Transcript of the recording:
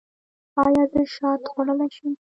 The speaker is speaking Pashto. ایا زه شات خوړلی شم؟